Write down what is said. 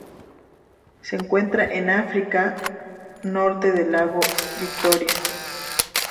Se encuentran en África: norte del lago Victoria.